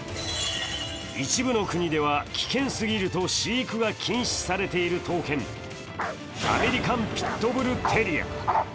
一部の国では危険すぎると飼育が禁止されている闘犬、アメリカン・ピット・ブル・テリア。